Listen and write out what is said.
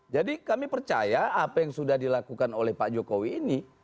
jadi kami percaya apa yang sudah dilakukan oleh pak jokowi ini